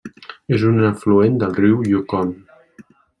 És un afluent del riu Yukon.